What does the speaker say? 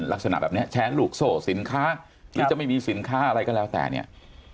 ลักษณะแบบนี้แชร์ลูกโซ่สินค้าหรือจะไม่มีสินค้าอะไรก็แล้วแต่เนี่ย